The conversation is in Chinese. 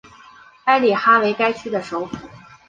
埃里哈为该区的首府。